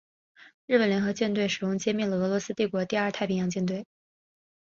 日本联合舰队使用歼灭了俄罗斯帝国第二太平洋舰队。